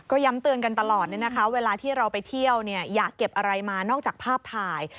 ย้ำเตือนกันตลอดเวลาที่เราไปเที่ยวอยากเก็บอะไรมานอกจากภาพถ่าย